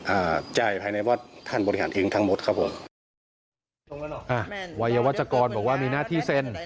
อ่าจ่ายภายในวัดท่านบริหารเองทั้งหมดครับผมอ่าวัยวัชกรบอกว่ามีหน้าที่เซ็น